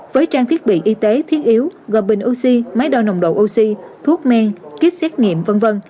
với trang thiết bị y tế thiết yếu gồm bình oxy máy đo nồng độ oxy thuốc men kit xét nghiệm v v